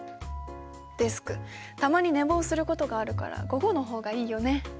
デスクたまに寝坊することがあるから午後の方がいいよね。